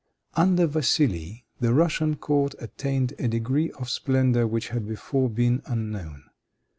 Under Vassili, the Russian court attained a degree of splendor which had before been unknown.